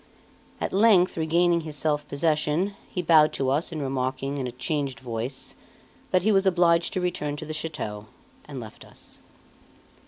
At length regaining his self possession, he bowed to us, and remarking, in a changed voice, that he was obliged to return to the chateau, left us.